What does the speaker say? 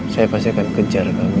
saya pasti akan kejar kami